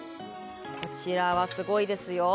こちらはすごいですよ